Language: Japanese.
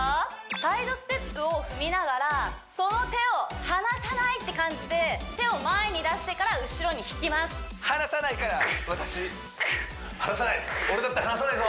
サイドステップを踏みながらその手を離さないって感じで手を前に出してから後ろに引きます離さないから私離さない俺だって離さないぞ！